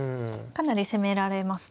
かなり攻められますね。